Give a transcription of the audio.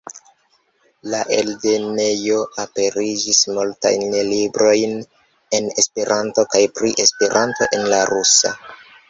La eldonejo aperigis multajn librojn en Esperanto kaj pri Esperanto en la rusa.